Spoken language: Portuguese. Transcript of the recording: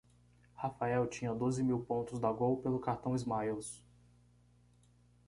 Rafael tinha doze mil pontos da Gol pelo cartão Smiles.